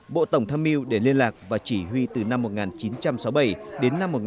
bộ tổng tham mưu để liên lạc và chỉ huy từ năm một nghìn chín trăm sáu mươi bảy đến năm một nghìn chín trăm bảy mươi